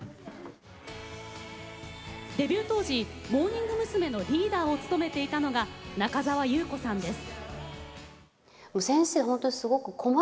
デビュー当時モーニング娘。のリーダーを務めていたのが中澤裕子さんです。